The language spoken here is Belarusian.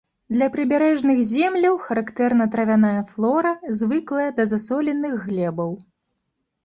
Для прыбярэжных земляў характэрна травяная флора, звыклая да засоленых глебаў.